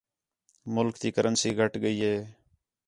ملک تی کرنسی گھٹ ڳئی ہے